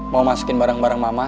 mau masukin barang barang mama